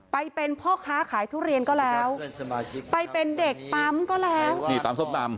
ไปเป็นพ่อค้าขายทุเรียนก็แล้วไปเป็นเด็กปั๊มก็แล้วนี่ตำส้มตำ